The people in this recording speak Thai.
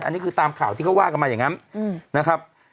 อันนี้คือตามข่าวที่เขาว่ากันมาอย่างนั้นนะครับ